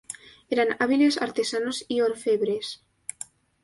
Eran hábiles artesanos y orfebres.